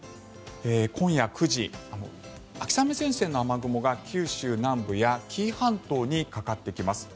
今夜９時、秋雨前線の雨雲が九州南部や紀伊半島にかかってきます。